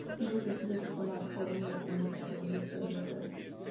Un día decide buscar la forma de salir para ver lo que hay fuera.